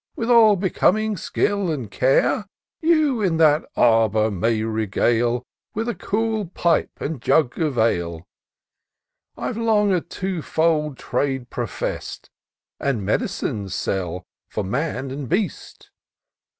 With all becoming skill and care. You in that arbour may regale. With a cool pipe and jug of ale : I've long a two fold trade profess'd. And med'cine sell for man and beast."